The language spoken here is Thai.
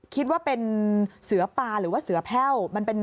คิดว่าเสือปลาหรือเสอแพ่ว